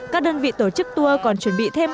các đơn vị tổ chức tour còn chuẩn bị thêm